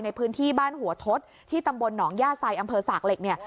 ในพื้นที่บ้านหัวทศที่ตำบลหนองย่าไซอำเภอสากเหล็กเนี่ย